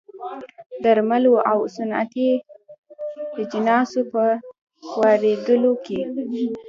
درملو او صنعتي اجناسو په واردولو کې